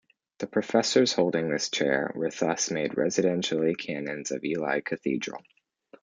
The professors holding this chair were thus made residentiary canons of Ely Cathedral.